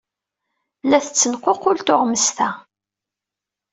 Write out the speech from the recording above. La tettenququl tuɣmest-a.